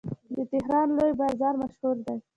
د تهران لوی بازار مشهور دی.